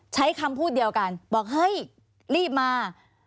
ใช้คำพูดเดียวกันบอกเฮ้ยรีบมา